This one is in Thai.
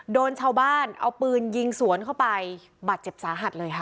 โดนชาวบ้านเอาปืนยิงสวนเข้าไปบาดเจ็บสาหัสเลยค่ะ